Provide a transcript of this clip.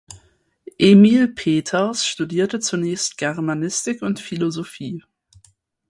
Emil Peeters studierte zunächst Germanistik und Philosophie.